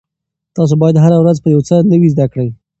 تاسو باید هره ورځ یو څه نوي زده کړئ.